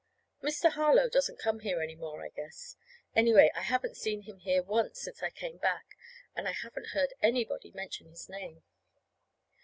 Mr. Harlow doesn't come here any more, I guess. Anyway, I haven't seen him here once since I came back; and I haven't heard anybody mention his name.